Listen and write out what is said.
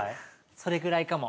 それくらいかも。